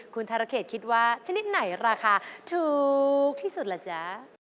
คุณธรเขตคิดว่าชนิดไหนราคาถูกที่สุดล่ะจ๊ะ